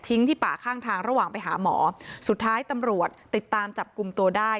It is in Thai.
ที่ป่าข้างทางระหว่างไปหาหมอสุดท้ายตำรวจติดตามจับกลุ่มตัวได้